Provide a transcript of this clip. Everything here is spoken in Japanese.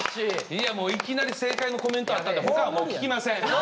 いやもういきなり正解のコメントあったんで他はもう聞きません。